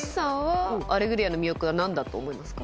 『アレグリア』の魅力は何だと思いますか？